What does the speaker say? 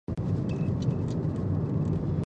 مساله له ځواب ویونکي سره وي.